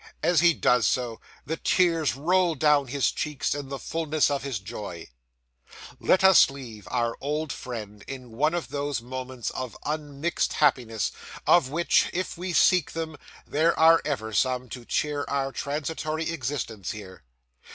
As he does so, the tears roll down his cheeks, in the fullness of his joy. Let us leave our old friend in one of those moments of unmixed happiness, of which, if we seek them, there are ever some, to cheer our transitory existence here.